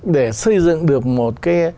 để xây dựng được một cái